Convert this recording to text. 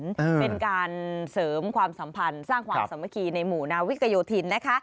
เป็นการเสริมความสัมพันธ์สร้างความสามัคคีในหมู่นาวิกโยธินนะคะ